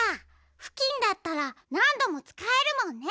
ふきんだったらなんどもつかえるもんね。